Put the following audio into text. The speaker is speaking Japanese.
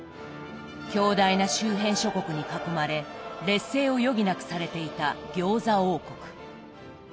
強大な周辺諸国に囲まれ劣勢を余儀なくされていた餃子王国。